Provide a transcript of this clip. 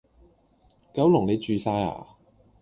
九龍你住曬呀！